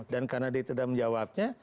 dan karena dia tidak menjawabnya